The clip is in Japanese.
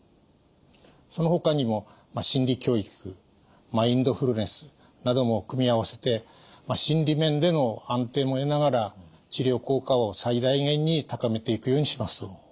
そのほかにも心理教育マインドフルネスなども組み合わせて心理面での安定も得ながら治療効果を最大限に高めていくようにします。